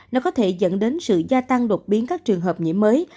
nó có thể dẫn đến sự gia tăng đột biến các trường hợp nhiễm mới